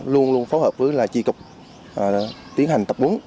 luôn luôn phối hợp với chi cục tiến hành tập bốn